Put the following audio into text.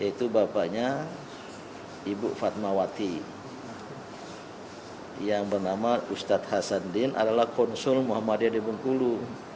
yaitu bapaknya ibu fatmawati yang bernama ustadz hasandin adalah konsul muhammadiyah di bengkulu